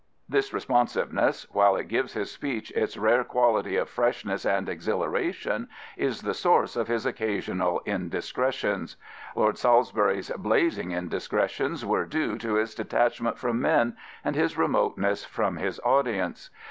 This responsiveness, while it gives his speech its rare quality of freshness and exhilara tion, is the source of his occasional indiscretions. Lord Salisbury*s " blazing indiscretions '* were due to his detachment from men and his remoteness from his audience.